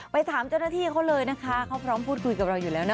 ไปถามเจ้าหน้าที่เขาเลยนะคะเขาพร้อมพูดคุยกับเราอยู่แล้วนะ